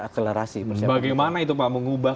akselerasi bagaimana itu pak mengubah